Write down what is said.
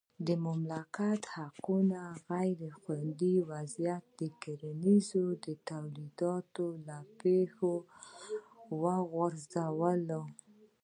د مالکیت د حقونو غیر خوندي وضعیت کرنیز تولیدات له پښو وغورځول.